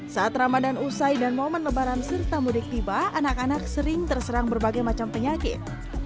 saat ramadan usai dan momen lebaran serta mudik tiba anak anak sering terserang berbagai macam penyakit